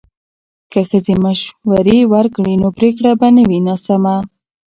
که ښځې مشورې ورکړي نو پریکړه به نه وي ناسمه.